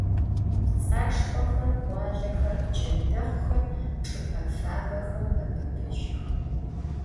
Pts'aşşxhoxer, khualexer, pçendexhuxer çç'ıp'e fabexem mebıbıjıx.